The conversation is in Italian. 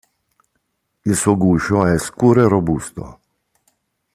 Il suo guscio è scuro e robusto.